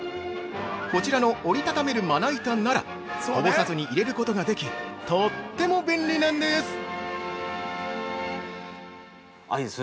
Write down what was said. こちらの折り畳めるまな板ならこぼさずに入れることができ、とっても便利なんです！！